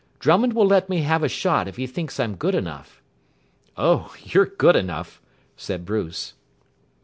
Drummond will let me have a shot if he thinks I'm good enough." "Oh, you're good enough," said Bruce.